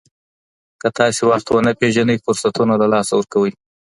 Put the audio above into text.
که تاسي وخت ونه پېژنئ، فرصتونه له لاسه ورکوئ.